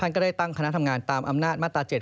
ก็ได้ตั้งคณะทำงานตามอำนาจมาตรา๗